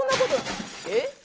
えっ？